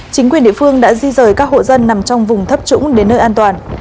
chính quyền địa phương đã di rời các hộ dân nằm trong vùng thấp trũng đến nơi an toàn